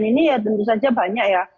ini ya tentu saja banyak ya